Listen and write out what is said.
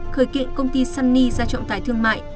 khởi kiện công ty sunny ra trọng tài thương mại